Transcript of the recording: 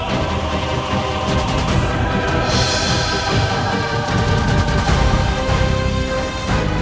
terima kasih banyak nyai